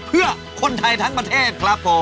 เพื่อคนไทยทั้งประเทศครับผม